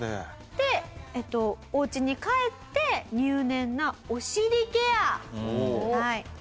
でお家に帰って入念なお尻ケア。